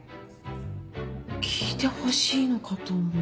聞いてほしいのかと思って。